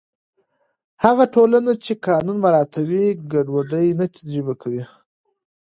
هغه ټولنه چې قانون مراعتوي، ګډوډي نه تجربه کوي.